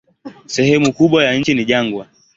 Sehemu kubwa ya nchi ni jangwa.